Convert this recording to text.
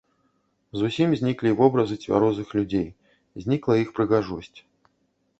Зусім зніклі вобразы цвярозых людзей, знікла іх прыгажосць.